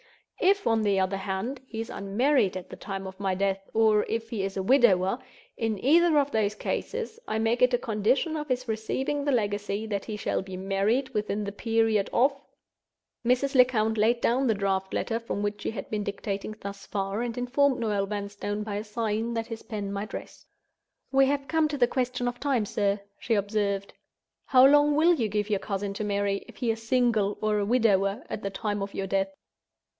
If, on the other hand, he is unmarried at the time of my death, or if he is a widower—in either of those cases, I make it a condition of his receiving the legacy, that he shall be married within the period of—" Mrs. Lecount laid down the Draft letter from which she had been dictating thus far, and informed Noel Vanstone by a sign that his pen might rest. "We have come to the question of time, sir," she observed. "How long will you give your cousin to marry, if he is single, or a widower, at the time of your death?"